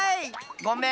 ごめん。